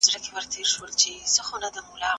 زده کوونکي باید و هڅول سي چې په پښتو بحث وکړي.